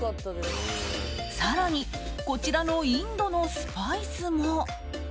更にこちらのインドのスパイスも。